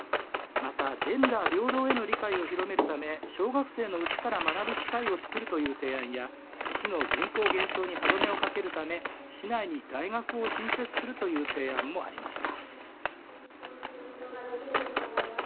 また、ジェンダー平等への理解を広めるため小学生のうちから学ぶ機会を作るという提案や市の人口減少に歯止めをかけるため市内に大学を新設するという提案もありました。